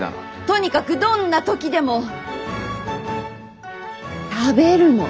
とにかくどんな時でも食べるの。